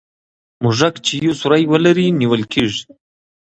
موږک چي یو سوری ولري نیول کېږي.